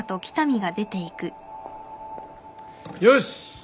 よし。